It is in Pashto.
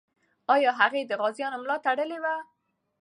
آیا هغې د غازیانو ملا تړلې وه؟